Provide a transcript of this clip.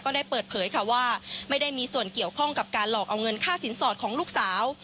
ได้เปิดเผยค่ะว่าไม่ได้มีส่วนเกี่ยวข้องกับการหลอกเอาเงินค่าสินสอดของลูกสาว